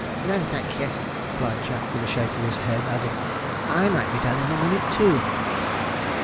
'No, thank ye,' replied Jack, with a shake of the head, adding, 'I might be done in a minute too.'